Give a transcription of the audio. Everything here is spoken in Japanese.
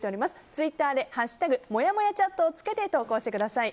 ツイッターで「＃もやもやチャット」をつけて投稿してください。